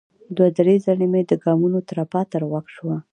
دوه ـ درې ځلې مې د ګامونو ترپا تر غوږ شوه.